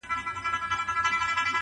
د ځناورو په خوني ځنگل کي~